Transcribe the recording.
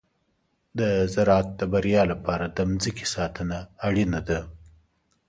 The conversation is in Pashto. د زراعت د بریا لپاره د مځکې ساتنه اړینه ده.